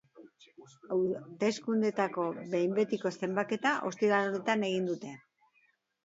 Hauteskundeetako behin betiko zenbaketa ostiral honetan egin dute.